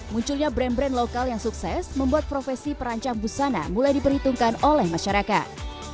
munculnya brand brand lokal yang sukses membuat profesi perancang busana mulai diperhitungkan oleh masyarakat